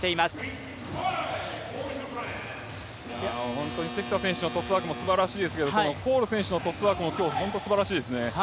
本当に関田選手のトスワークもすばらしいですけどこのコール選手のトスワークも本当にすばらしいですよね。